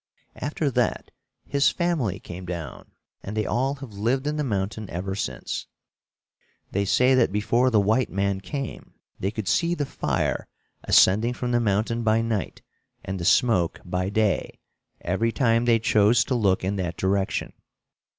After that, his family came down, and they all have lived in the mountain ever since. They say that before the white man came they could see the fire ascending from the mountain by night and the smoke by day, every time they chose to look in that direction.